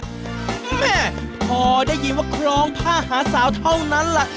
แม่พอได้ยินว่าคล้องผ้าหาสาวเท่านั้นล่ะ